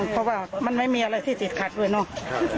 เพราะว่ามันไม่มีอะไรที่ติดขัดด้วยเนาะ